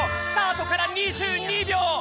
スタートから２２秒！